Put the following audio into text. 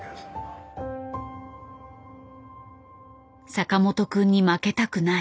坂本君に負けたくない。